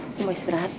aku mau istirahat